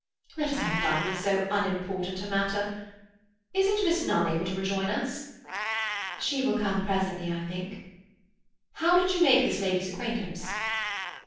Let us have done with so unimportant a matter. Isn't Miss Nunn able to rejoin us?" "She will come presently, I think." "How did you make this lady's acquaintance?"